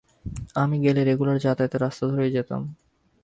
আমি গেলে রেগুলার যাতায়াতের রাস্তা ধরেই যেতাম।